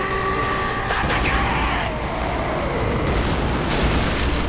戦え！！